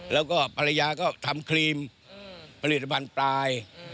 แล้วก็ภรรยาก็ทำครีมผลิตภัณฑ์ปลาย